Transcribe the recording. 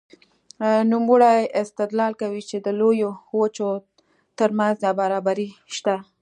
نوموړی استدلال کوي چې د لویو وچو ترمنځ نابرابري شته.